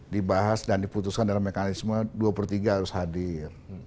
dibahas dan diputuskan dalam mekanisme dua per tiga harus hadir